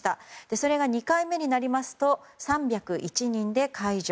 それが２回目になりますと３０１人で解除。